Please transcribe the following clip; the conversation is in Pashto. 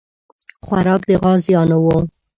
خوراک د غازیانو وو.